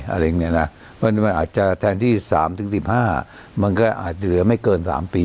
อะไรเงี่ยนะแต่จะแทนที่สามถึง๑๕มันก็อาจจะเหลือไม่เกิน๓ปี